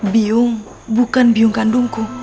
biung bukan biung kandungku